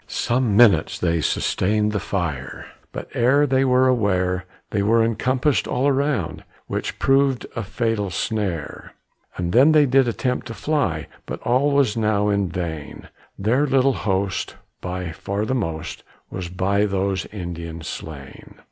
Some minutes they sustained the fire, But ere they were aware, They were encompassed all around, Which prov'd a fatal snare. And then they did attempt to fly, But all was now in vain, Their little host by far the most Was by those Indians slain.